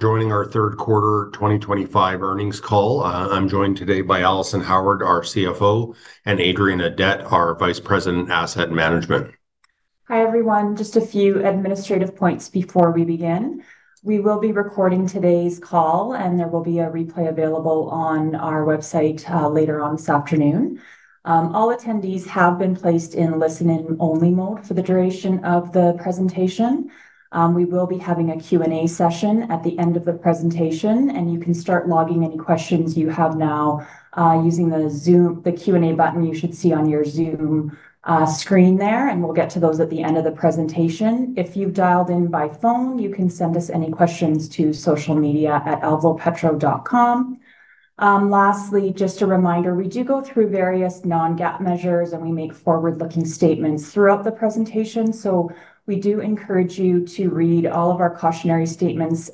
Joining our third quarter 2025 earnings call. I'm joined today by Alison Howard, our CFO, and Adrian Audet, our Vice President, Asset Management. Hi everyone. Just a few administrative points before we begin. We will be recording today's call, and there will be a replay available on our website later on this afternoon. All attendees have been placed in listen-in-only mode for the duration of the presentation. We will be having a Q&A session at the end of the presentation, and you can start logging any questions you have now using the Q&A button you should see on your Zoom screen there, and we'll get to those at the end of the presentation. If you've dialed in by phone, you can send us any questions to Social Media at alvopetro.com. Lastly, just a reminder, we do go through various Non-GAAP Measures, and we make forward-looking statements throughout the presentation. We do encourage you to read all of our Cautionary Statements.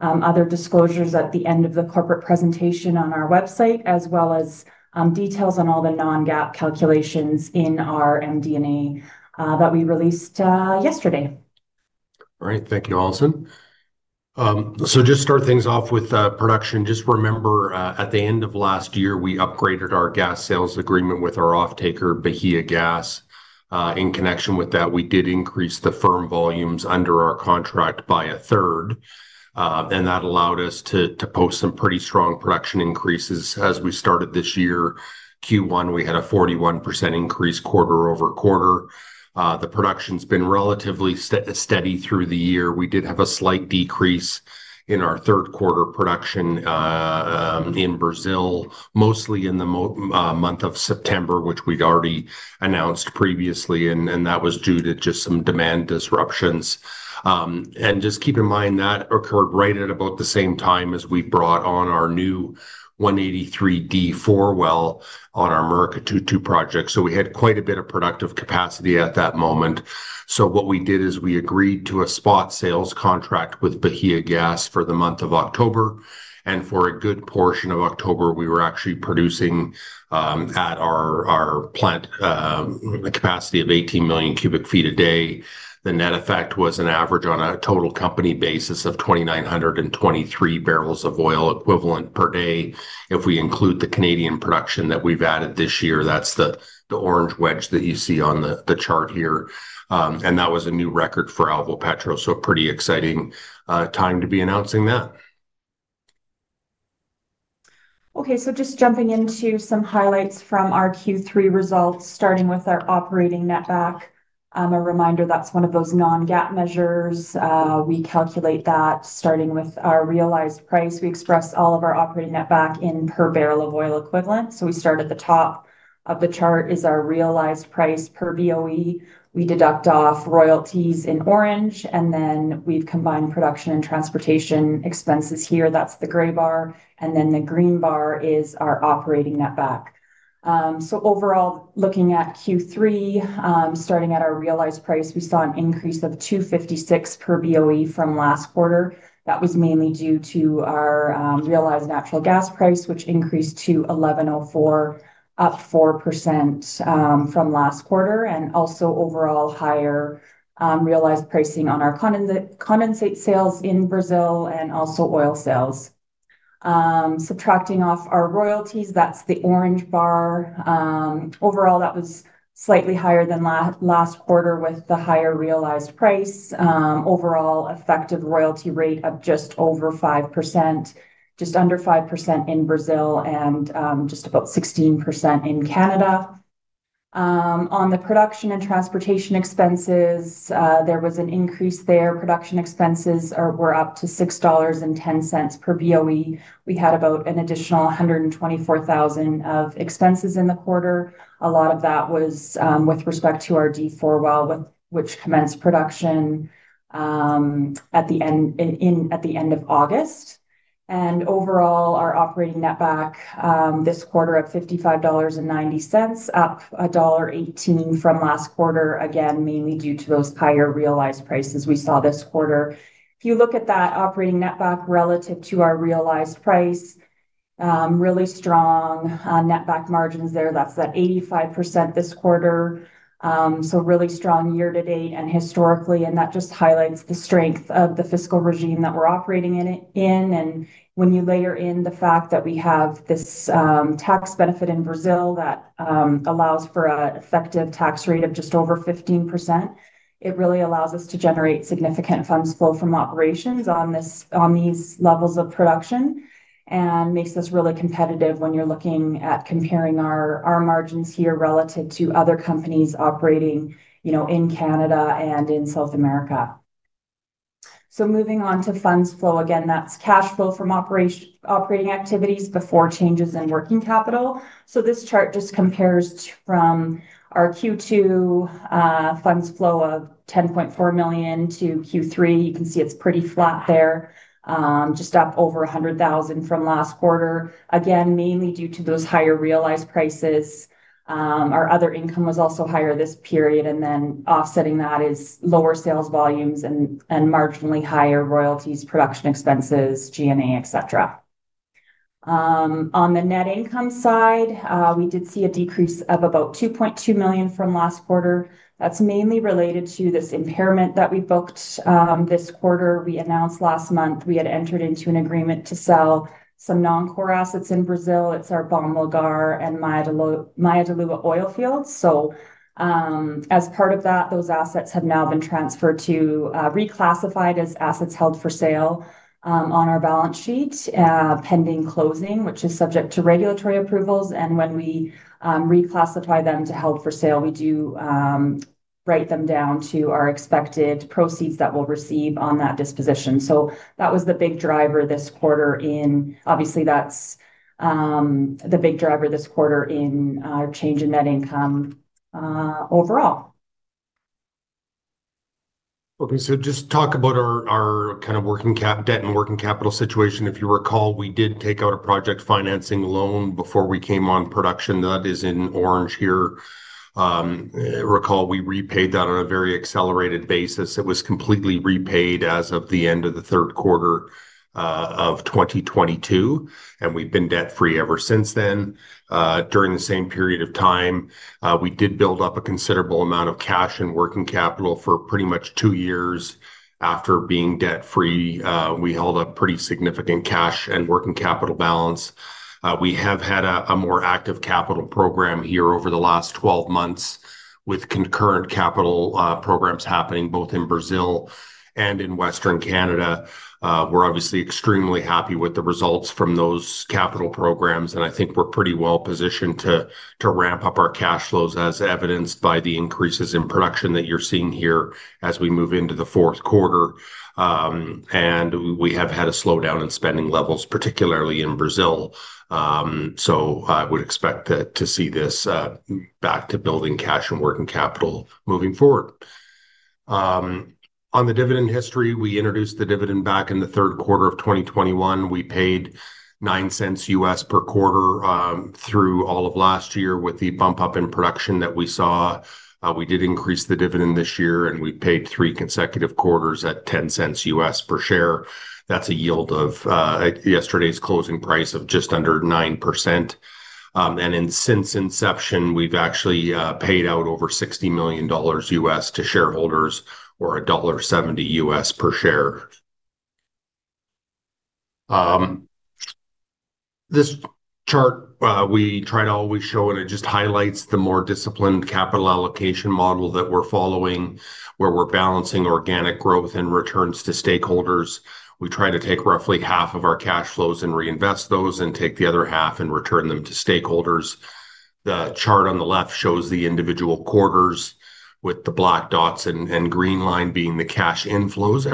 Other disclosures at the end of the corporate presentation on our website, as well as details on all the Non-GAAP calculations in our MD&A that we released yesterday. All right. Thank you, Alison. Just to start things off with production. Just remember, at the end of last year, we upgraded our gas sales agreement with our off-taker, Bahiagás. In connection with that, we did increase the firm volumes under our contract by a third. That allowed us to post some pretty strong production increases. As we started this year, Q1, we had a 41% increase quarter-over-quarter. The production's been relatively steady through the year. We did have a slight decrease in our third quarter production in Brazil, mostly in the month of September, which we'd already announced previously, and that was due to just some demand disruptions. Just keep in mind that occurred right at about the same time as we brought on our new 183-D4well on our Murucututu project. We had quite a bit of productive capacity at that moment. What we did is we agreed to a spot sales contract with Bahiagás for the month of October. For a good portion of October, we were actually producing at our capacity of 18 million cu a day. The net effect was an average on a total company basis of 2,923 barrels of oil equivalent per day. If we include the Canadian production that we have added this year, that is the orange wedge that you see on the chart here. That was a new record for Alvopetro. A pretty exciting time to be announcing that. Okay. Just jumping into some highlights from our Q3 results, starting with our operating netback. A reminder, that's one of those Non-GAAP Measures. We calculate that starting with our realized price. We express all of our operating netback in per barrel of oil equivalent. We start at the top of the chart, which is our realized price per BOE. We deduct off royalties in orange, and then we've combined production and transportation expenses here. That's the gray bar. The green bar is our operating netback. Overall, looking at Q3, starting at our realized price, we saw an increase of 2.56 per BOE from last quarter. That was mainly due to our realized natural gas price, which increased to 11.04, up 4% from last quarter, and also overall higher realized pricing on our condensate sales in Brazil and also oil sales. Subtracting off our royalties, that's the orange bar. Overall, that was slightly higher than last quarter with the higher realized price. Overall effective royalty rate of just over 5%, just under 5% in Brazil, and just about 16% in Canada. On the production and transportation expenses, there was an increase there. Production expenses were up to 6.10 dollars per BOE. We had about an additional 124,000 of expenses in the quarter. A lot of that was with respect to our D4 well, which commenced production at the end of August. Overall, our operating netback this quarter at 55.90 dollars, up dollar 1.18 from last quarter, again, mainly due to those higher realized prices we saw this quarter. If you look at that operating netback relative to our realized price, really strong netback margins there. That's that 85% this quarter. Really strong year to date and historically. That just highlights the strength of the fiscal regime that we're operating in. When you layer in the fact that we have this tax benefit in Brazil that allows for an effective tax rate of just over 15%, it really allows us to generate significant funds flow from operations on these levels of production. It makes us really competitive when you're looking at comparing our margins here relative to other companies operating in Canada and in South America. Moving on to funds flow, again, that's cash flow from operating activities before changes in working capital. This chart just compares from our Q2 funds flow of 10.4 million to Q3. You can see it's pretty flat there, just up over 100,000 from last quarter, again, mainly due to those higher realized prices. Our other income was also higher this period. Offsetting that is lower sales volumes and marginally higher royalties, production expenses, G&A, etc. On the net income side, we did see a decrease of about 2.2 million from last quarter. That's mainly related to this impairment that we booked this quarter. We announced last month we had entered into an agreement to sell some non-core assets in Brazil. It's our Bom Lugar and Mae-da-lua oil fields. As part of that, those assets have now been transferred to reclassified as assets held for sale on our balance sheet pending closing, which is subject to regulatory approvals. When we reclassify them to held for sale, we do write them down to our expected proceeds that we'll receive on that disposition. That was the big driver this quarter in, obviously, that's the big driver this quarter in change in net income. Overall. Okay. So just talk about our kind of working debt and working capital situation. If you recall, we did take out a project financing loan before we came on production. That is in orange here. Recall, we repaid that on a very accelerated basis. It was completely repaid as of the end of the third quarter of 2022. And we've been debt-free ever since then. During the same period of time, we did build up a considerable amount of cash and working capital for pretty much two years. After being debt-free, we held up pretty significant cash and working capital balance. We have had a more active capital program here over the last 12 months with concurrent capital programs happening both in Brazil and in Western Canada. We're obviously extremely happy with the results from those capital programs. I think we're pretty well positioned to ramp up our cash flows, as evidenced by the increases in production that you're seeing here as we move into the fourth quarter. We have had a slowdown in spending levels, particularly in Brazil. I would expect to see this back to building cash and working capital moving forward. On the dividend history, we introduced the dividend back in the third quarter of 2021. We paid $0.09 per quarter through all of last year with the bump up in production that we saw. We did increase the dividend this year, and we paid three consecutive quarters at $0.10 per share. That's a yield of yesterday's closing price of just under 9%. Since inception, we've actually paid out over $60 million to shareholders or $1.70 per share. This chart we try to always show, and it just highlights the more disciplined capital allocation model that we're following, where we're balancing organic growth and returns to stakeholders. We try to take roughly half of our cash flows and reinvest those and take the other half and return them to stakeholders. The chart on the left shows the individual quarters with the black dots and green line being the cash inflows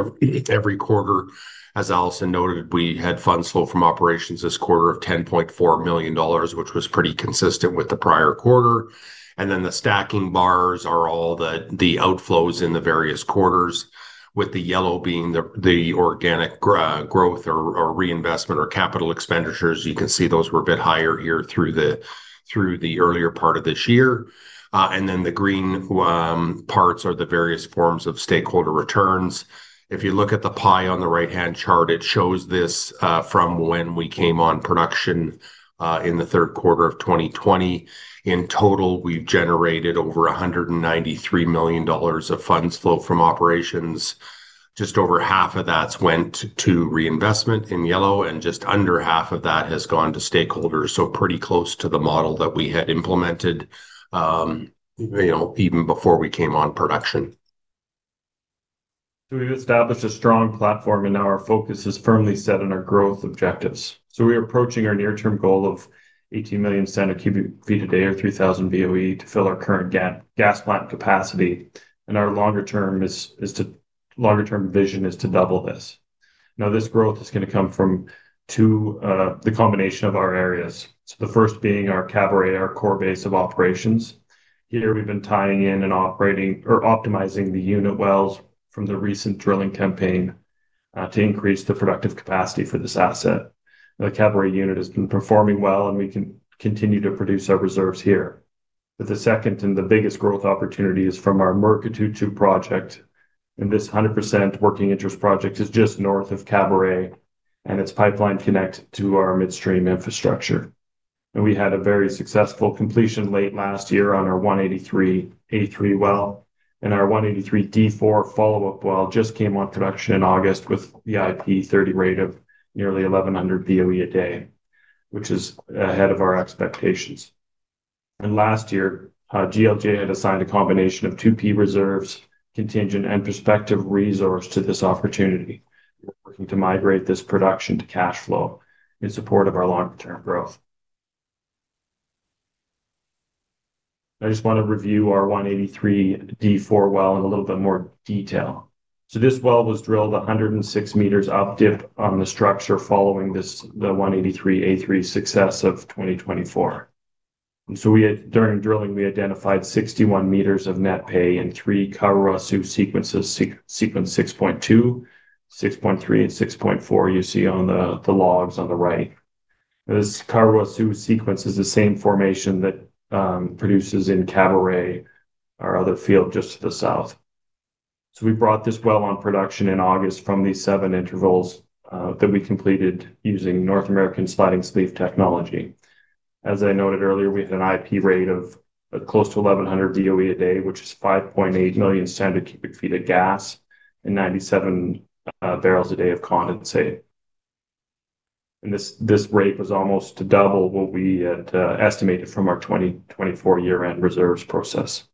every quarter. As Alison noted, we had funds flow from operations this quarter of 10.4 million dollars, which was pretty consistent with the prior quarter. The stacking bars are all the outflows in the various quarters, with the yellow being the organic growth or reinvestment or capital expenditures. You can see those were a bit higher here through the earlier part of this year. The green parts are the various forms of stakeholder returns. If you look at the pie on the right-hand chart, it shows this from when we came on production in the third quarter of 2020. In total, we've generated over 193 million dollars of funds flow from operations. Just over half of that went to reinvestment in yellow, and just under half of that has gone to stakeholders. Pretty close to the model that we had implemented, even before we came on production. We have established a strong platform, and now our focus is firmly set on our growth objectives. We are approaching our near-term goal of 18 million cu a day or 3,000 BOE to fill our current gas plant capacity. Our longer-term vision is to double this. This growth is going to come from the combination of our areas. The first being our Caburé, our core base of operations. Here, we have been tying in and optimizing the unit wells from the recent drilling campaign to increase the productive capacity for this asset. The Caburé unit has been performing well, and we can continue to produce our reserves here. The second and the biggest growth opportunity is from our Murucututu project. This 100% working interest project is just north of Caburé, and it is pipeline connected to our midstream infrastructure. We had a very successful completion late last year on our 183-A3 well. Our 183-D4 follow-up well just came on production in August with the IP 30 rate of nearly 1,100 BOE a day, which is ahead of our expectations. Last year, GLJ had assigned a combination of 2P reserves, contingent, and prospective resource to this opportunity. We are working to migrate this production to cash flow in support of our long-term growth. I just want to review our 183-D4 well in a little bit more detail. This well was drilled 106 meters up dip on the structure following the 183-A3 success of 2024. During drilling, we identified 61 meters of net pay in three Caruaçu sequences, sequence 6.2, 6.3, and 6.4 you see on the logs on the right. This Caruaçu sequence is the same formation that. Produces in Caburé, our other field just to the south. We brought this well on production in August from the seven intervals that we completed using North American sliding sleeve technology. As I noted earlier, we had an IP rate of close to 1,100 BOE a day, which is 5.8 million cu of gas and 97 barrels a day of condensate. This rate was almost double what we had estimated from our 2024 year-end reserves process.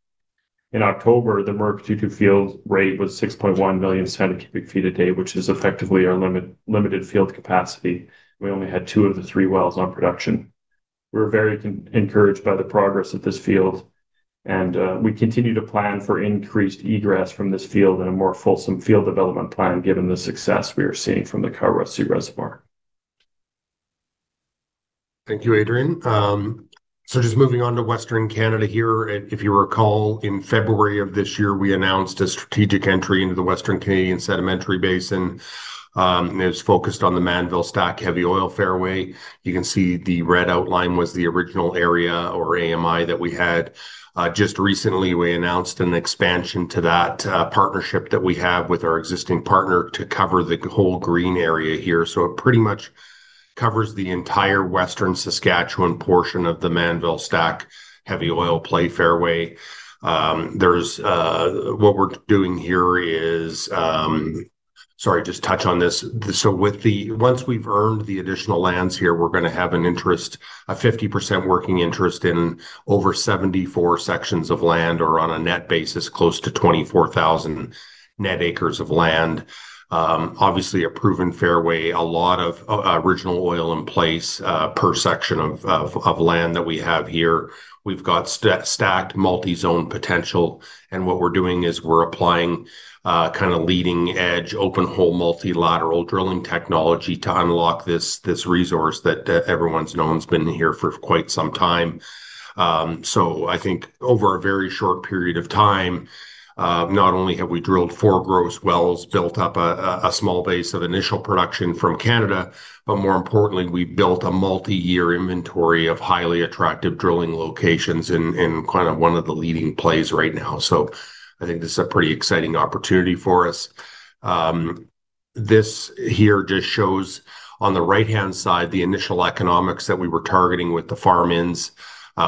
In October, the Murucututu field rate was 6.1 million cu a day, which is effectively our limited field capacity. We only had two of the three wells on production. We are very encouraged by the progress of this field. We continue to plan for increased egress from this field and a more fulsome field development plan given the success we are seeing from the Caruaçu reservoir. Thank you, Adrian. Just moving on to Western Canada here. If you recall, in February of this year, we announced a strategic entry into the Western Canadian sedimentary basin. It was focused on the Mannville Stack Heavy Oil Fairway. You can see the red outline was the original area or AMI that we had. Just recently, we announced an expansion to that partnership that we have with our existing partner to cover the whole green area here. It pretty much covers the entire Western Saskatchewan portion of the Mannville Stack Heavy Oil Play Fairway. What we're doing here is, sorry, just touch on this. Once we've earned the additional lands here, we're going to have a 50% working interest in over 74 sections of land or, on a net basis, close to 24,000 net acres of land. Obviously, a proven fairway, a lot of original oil in place per section of land that we have here. We've got stacked multi-zone potential. What we're doing is we're applying kind of leading-edge open hole multilateral drilling technology to unlock this resource that everyone's known has been here for quite some time. I think over a very short period of time, not only have we drilled four gross wells, built up a small base of initial production from Canada, but more importantly, we built a multi-year inventory of highly attractive drilling locations in kind of one of the leading plays right now. I think this is a pretty exciting opportunity for us. This here just shows on the right-hand side the initial economics that we were targeting with the farm ends.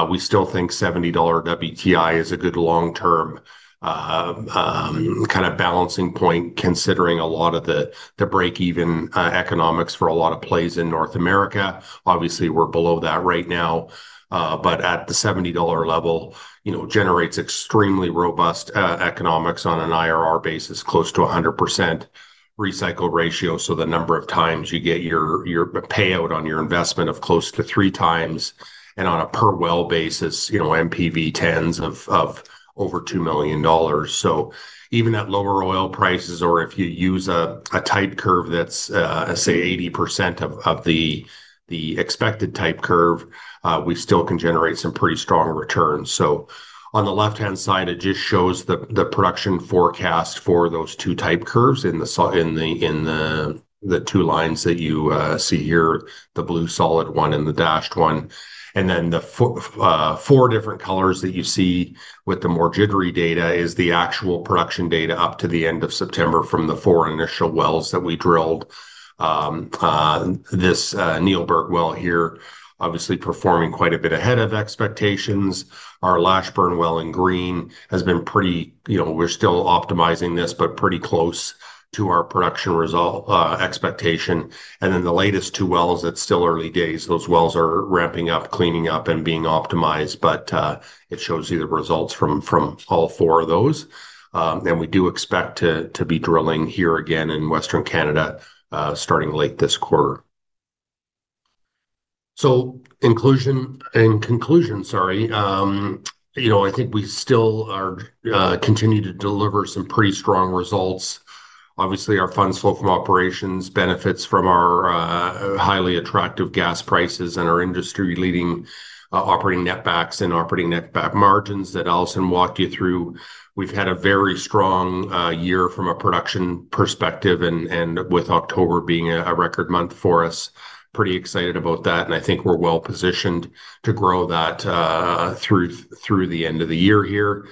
We still think $70 is a good long-term. Kind of balancing point, considering a lot of the break-even economics for a lot of plays in North America. Obviously, we're below that right now. At the 70 dollar level, generates extremely robust economics on an IRR basis, close to 100%. Recycle ratio, so the number of times you get your payout on your investment of close to three times. On a per well basis, MPV tens of over 2 million dollars. Even at lower oil prices, or if you use a type curve that's, say, 80% of the expected type curve, we still can generate some pretty strong returns. On the left-hand side, it just shows the production forecast for those two type curves in the two lines that you see here, the blue solid one and the dashed one. And then the. Four different colors that you see with the more jittery data is the actual production data up to the end of September from the four initial wells that we drilled. This Neilbert well here, obviously performing quite a bit ahead of expectations. Our Lashburn well in green has been pretty, we're still optimizing this, but pretty close to our production result expectation. The latest two wells, it's still early days. Those wells are ramping up, cleaning up, and being optimized, but it shows you the results from all four of those. We do expect to be drilling here again in Western Canada starting late this quarter. In conclusion, sorry. I think we still continue to deliver some pretty strong results. Obviously, our funds flow from operations benefits from our highly attractive gas prices, and our industry-leading operating netbacks and operating netback margins that Alison walked you through. We've had a very strong year from a production perspective, with October being a record month for us. Pretty excited about that. I think we're well positioned to grow that through the end of the year here.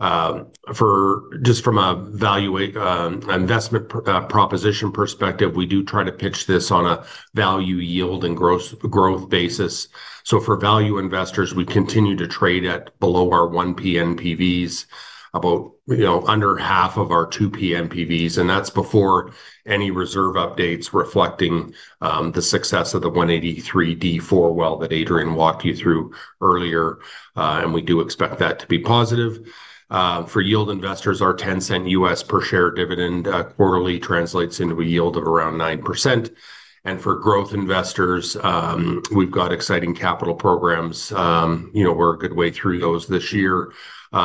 Just from an investment proposition perspective, we do try to pitch this on a value-yield and growth basis. For value investors, we continue to trade at below our 1P NPVs, about under half of our 2P NPVs. That's before any reserve updates reflecting the success of the 183-D4 well that Adrian walked you through earlier. We do expect that to be positive. For yield investors, our $0.10 per share dividend quarterly translates into a yield of around 9%. For growth investors, we've got exciting capital programs. We're a good way through those this year.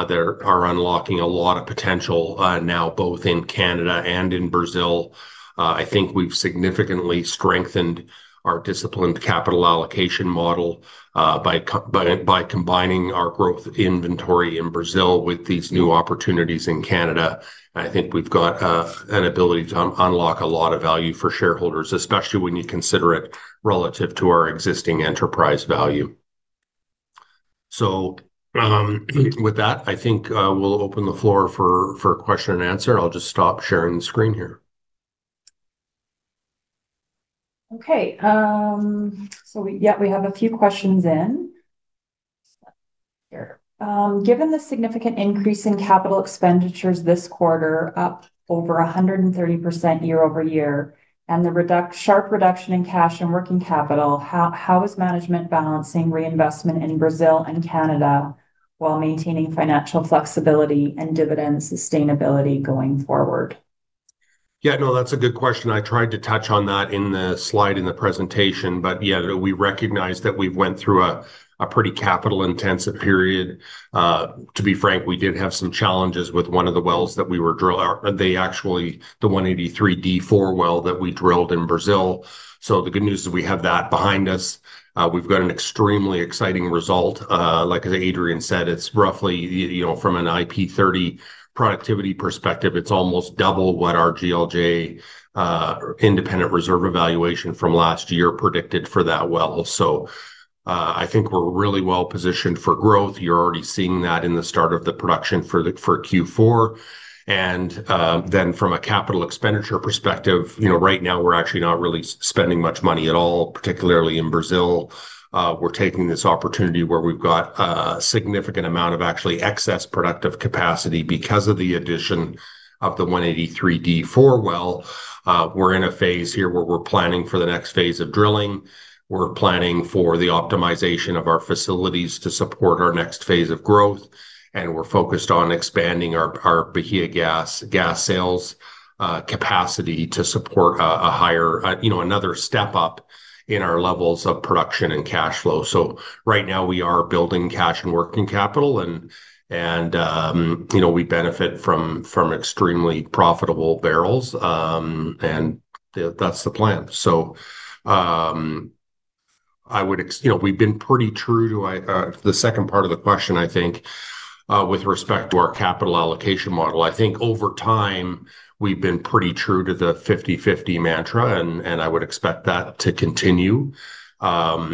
They're unlocking a lot of potential now, both in Canada and in Brazil. I think we've significantly strengthened our disciplined capital allocation model. By combining our growth inventory in Brazil with these new opportunities in Canada, I think we've got an ability to unlock a lot of value for shareholders, especially when you consider it relative to our existing enterprise value. With that, I think we'll open the floor for a question and answer. I'll just stop sharing the screen here. Okay. So yeah, we have a few questions in here. Given the significant increase in capital expenditures this quarter, up over 130% year-over-year, and the sharp reduction in cash and working capital, how is management balancing reinvestment in Brazil and Canada while maintaining financial flexibility and dividend sustainability going forward? Yeah, no, that's a good question. I tried to touch on that in the slide in the presentation, but yeah, we recognize that we've went through a pretty capital-intensive period. To be frank, we did have some challenges with one of the wells that we were drilling, the 183-D4 well that we drilled in Brazil. The good news is we have that behind us. We've got an extremely exciting result. Like Adrian said, it's roughly from an IP30 productivity perspective, it's almost double what our GLJ independent reserve evaluation from last year predicted for that well. I think we're really well positioned for growth. You're already seeing that in the start of the production for Q4. From a capital expenditure perspective, right now, we're actually not really spending much money at all, particularly in Brazil. We're taking this opportunity where we've got a significant amount of actually excess productive capacity because of the addition of the 183-D4 well. We're in a phase here where we're planning for the next phase of drilling. We're planning for the optimization of our facilities to support our next phase of growth. We are focused on expanding our Bahiagás sales capacity to support a higher, another step up in our levels of production and cash flow. Right now, we are building cash and working capital. We benefit from extremely profitable barrels. That's the plan. We've been pretty true to the second part of the question, I think. With respect to our capital allocation model, I think over time, we've been pretty true to the 50/50 mantra, and I would expect that to continue. Yeah,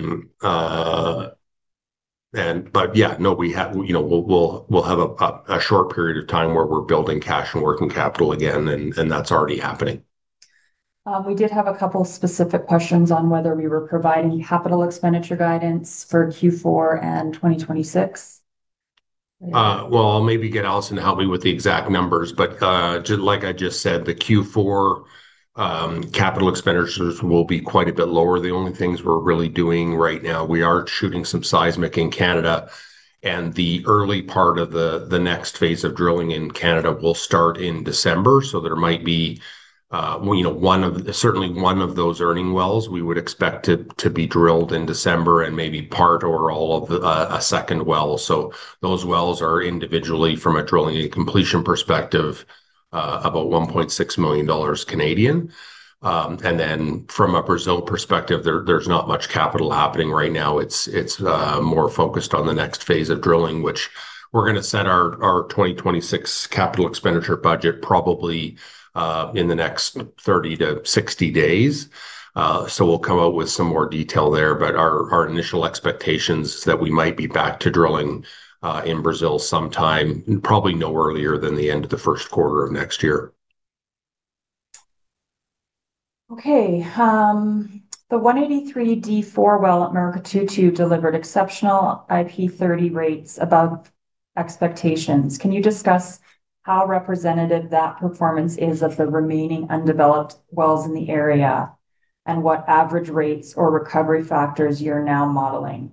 no, we'll have a short period of time where we're building cash and working capital again, and that's already happening. We did have a couple of specific questions on whether we were providing capital expenditure guidance for Q4 and 2026. I'll maybe get Alison to help me with the exact numbers. Like I just said, the Q4 capital expenditures will be quite a bit lower. The only things we're really doing right now, we are shooting some seismic in Canada. The early part of the next phase of drilling in Canada will start in December. There might be certainly one of those earning wells. We would expect to be drilled in December and maybe part or all of a second well. Those wells are individually, from a drilling and completion perspective, about 1.6 million Canadian dollars. From a Brazil perspective, there's not much capital happening right now. It's more focused on the next phase of drilling, which we're going to set our 2026 capital expenditure budget probably in the next 30-60 days. We'll come out with some more detail there. But our initial expectations is that we might be back to drilling in Brazil sometime, probably no earlier than the end of the first quarter of next year. Okay. The 183-D4 well at Murucututu delivered exceptional IP30 rates above expectations. Can you discuss how representative that performance is of the remaining undeveloped wells in the area and what average rates or recovery factors you're now modeling?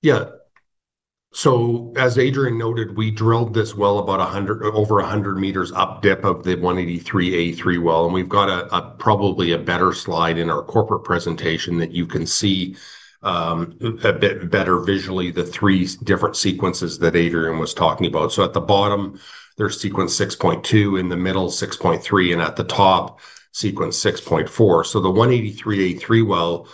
Yeah. As Adrian noted, we drilled this well about over 100 meters up depth of the 183-A3 well. We have probably a better slide in our corporate presentation that you can see. A bit better visually the three different sequences that Adrian was talking about. At the bottom, there is sequence 6.2, in the middle, 6.3, and at the top, sequence 6.4. The 183-A3 well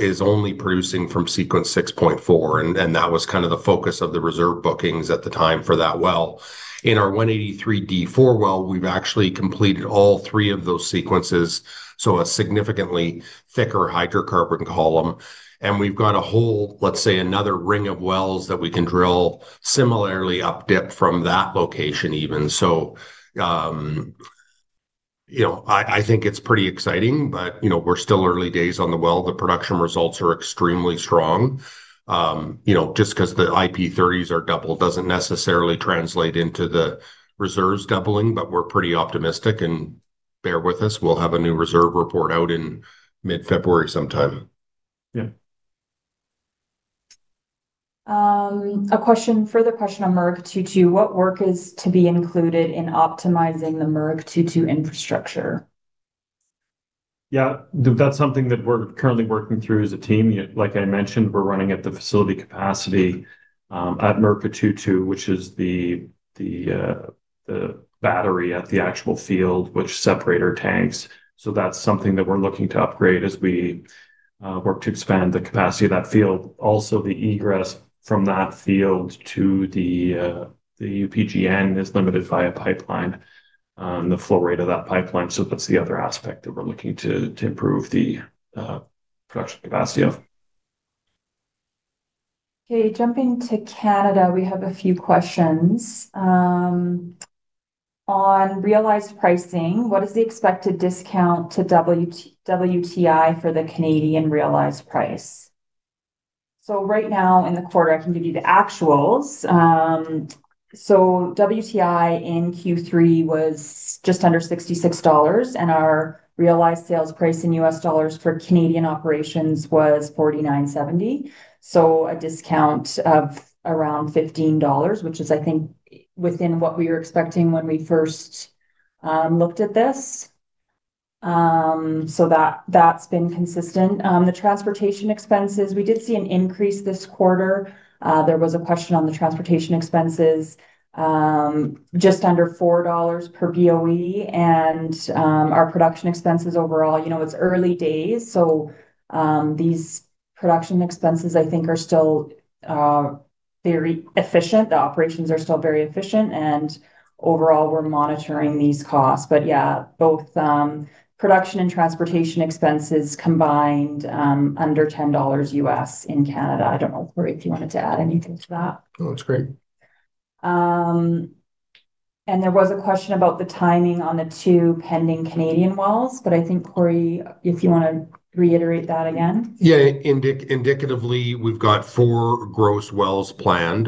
is only producing from sequence 6.4. That was kind of the focus of the reserve bookings at the time for that well. In our 183-D4 well, we have actually completed all three of those sequences. A significantly thicker hydrocarbon column. We have a whole, let's say, another ring of wells that we can drill similarly up depth from that location even. I think it is pretty exciting, but we are still early days on the well. The production results are extremely strong. Just because the IP30s are doubled does not necessarily translate into the reserves doubling, but we're pretty optimistic. Bear with us. We'll have a new reserve report out in mid-February sometime. Yeah. A further question on Murucututu. What work is to be included in optimizing the Murucututu infrastructure? Yeah. That's something that we're currently working through as a team. Like I mentioned, we're running at the facility capacity at Murucututu, which is the battery at the actual field, which separates our tanks. That's something that we're looking to upgrade as we work to expand the capacity of that field. Also, the egress from that field to the UPGN is limited by a pipeline and the flow rate of that pipeline. That's the other aspect that we're looking to improve the production capacity of. Okay. Jumping to Canada, we have a few questions. On realized pricing, what is the expected discount to WTI for the Canadian realized price? Right now, in the quarter, I can give you the actuals. WTI in Q3 was just under $66. Our realized sales price in U.S. dollars for Canadian operations was $49.70. A discount of around $15, which is, I think, within what we were expecting when we first looked at this. That has been consistent. The transportation expenses, we did see an increase this quarter. There was a question on the transportation expenses. Just under $4 per BOE. Our production expenses overall, it's early days. These production expenses, I think, are still very efficient. The operations are still very efficient. Overall, we're monitoring these costs. Both production and transportation expenses combined under $10 U.S. in Canada. I don't know, Corey, if you wanted to add anything to that. No, that's great. There was a question about the timing on the two pending Canadian wells. I think, Corey, if you want to reiterate that again. Yeah. Indicatively, we've got four gross wells planned.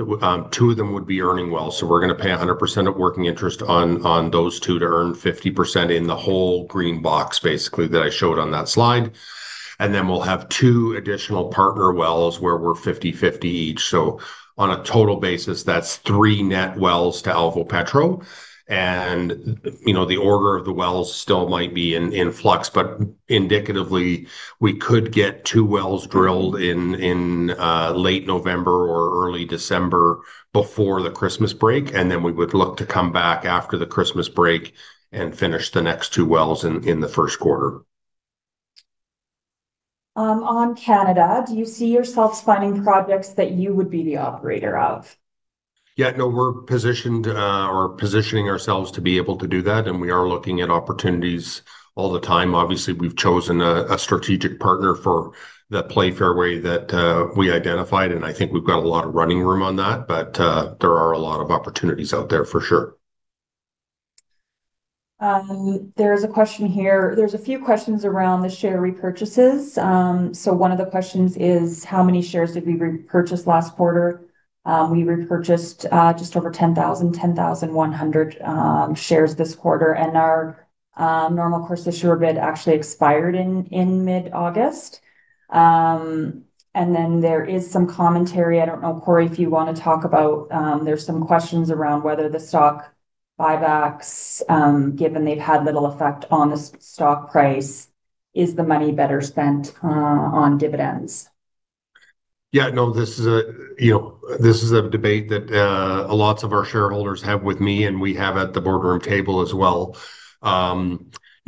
Two of them would be earning wells. So we're going to pay 100% of working interest on those two to earn 50% in the whole green box, basically, that I showed on that slide. Then we'll have two additional partner wells where we're 50/50 each. On a total basis, that's three net wells to Alvopetro. The order of the wells still might be in flux. Indicatively, we could get two wells drilled in late November or early December before the Christmas break. We would look to come back after the Christmas break and finish the next two wells in the first quarter. On Canada, do you see yourselves finding projects that you would be the operator of? Yeah. No, we're positioned or positioning ourselves to be able to do that. We are looking at opportunities all the time. Obviously, we've chosen a strategic partner for the play fairway that we identified. I think we've got a lot of running room on that. There are a lot of opportunities out there for sure. There is a question here. There's a few questions around the share repurchases. One of the questions is, how many shares did we repurchase last quarter? We repurchased just over 10,000, 10,100 shares this quarter. Our normal course of share bid actually expired in mid-August. There is some commentary. I don't know, Corey, if you want to talk about there's some questions around whether the stock buybacks, given they've had little effect on the stock price, is the money better spent on dividends. Yeah. No, this is a debate that lots of our shareholders have with me and we have at the boardroom table as well.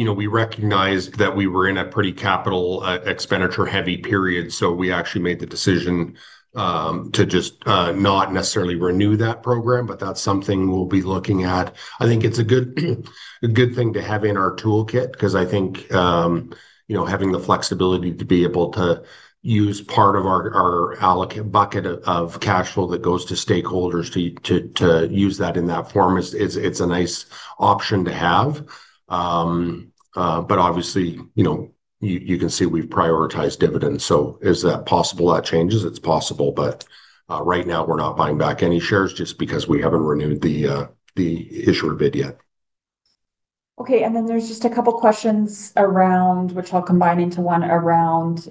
We recognize that we were in a pretty capital expenditure-heavy period. We actually made the decision to just not necessarily renew that program. That is something we'll be looking at. I think it's a good thing to have in our toolkit because I think having the flexibility to be able to use part of our bucket of cash flow that goes to stakeholders to use that in that form, it's a nice option to have. Obviously, you can see we've prioritized dividends. Is that possible that changes? It's possible. Right now, we're not buying back any shares just because we haven't renewed the issuer bid yet. Okay. There is just a couple of questions around, which I'll combine into one, around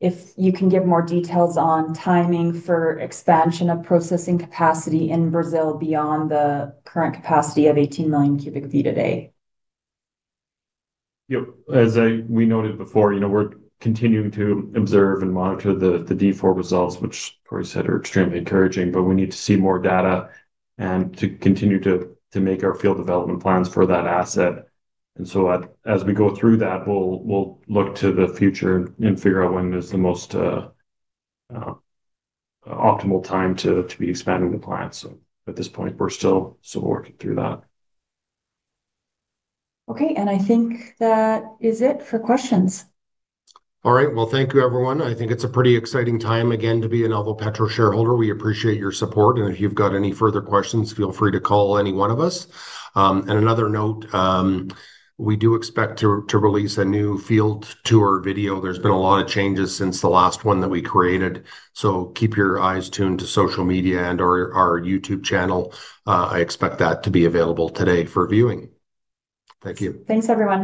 if you can give more details on timing for expansion of processing capacity in Brazil beyond the current capacity of 18 million cu a day. Yep. As we noted before, we're continuing to observe and monitor the D4 results, which Corey said are extremely encouraging. We need to see more data and to continue to make our field development plans for that asset. As we go through that, we'll look to the future and figure out when is the most optimal time to be expanding the plant. At this point, we're still working through that. Okay. I think that is it for questions. All right. Thank you, everyone. I think it's a pretty exciting time again to be an Alvopetro shareholder. We appreciate your support. If you've got any further questions, feel free to call any one of us. Another note. We do expect to release a new field tour video. There's been a lot of changes since the last one that we created. Keep your eyes tuned to social media and our YouTube channel. I expect that to be available today for viewing. Thank you. Thanks, everyone.